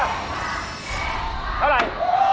เท่าไร